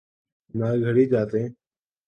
نہ گھڑی جاتیں۔